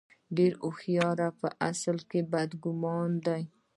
ډېره هوښیاري په اصل کې بد ګماني ده.